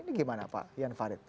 ini gimana pak jan farid